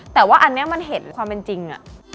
แต่ว่าอันนี้มันเห็นความเป็นจริง